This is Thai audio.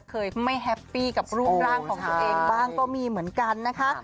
เคยไม่แฮปปี้กับรูปร่างของตัวเองบ้างก็มีเหมือนกันนะคะ